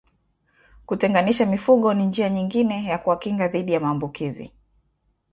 Kutenganisha mifugo ni njia nyingine ya kuwakinga dhidi ya maambukizi